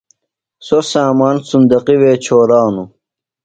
سوۡ سامان صُندوقیۡ وے چھورانوۡ۔